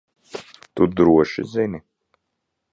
Tu droši zini?